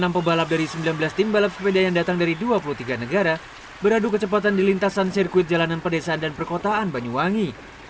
enam pebalap dari sembilan belas tim balap sepeda yang datang dari dua puluh tiga negara beradu kecepatan di lintasan sirkuit jalanan pedesaan dan perkotaan banyuwangi